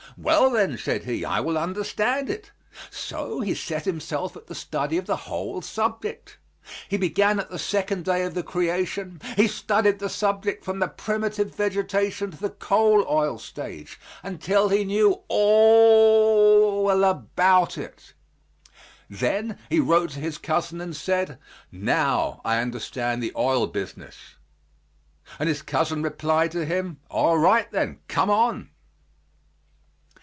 "Well, then," said he, "I will understand it." So he set himself at the study of the whole subject. He began at the second day of the creation, he studied the subject from the primitive vegetation to the coal oil stage, until he knew all about it. Then he wrote to his cousin and said, "Now I understand the oil business." And his cousin replied to him, "All right, then, come on."